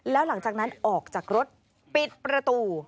แล้วหลังจากนั้นออกจากรถปิดประตู